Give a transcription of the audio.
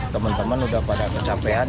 teman teman udah pada kecapean